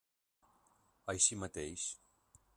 Així mateix.